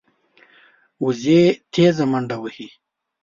وزې تېزه منډه وهي